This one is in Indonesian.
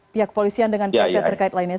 pihak kepolisian dan pihak pihak lainnya